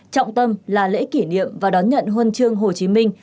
trọng tâm là lễ kỷ niệm và đón nhận huân chương hồ chí minh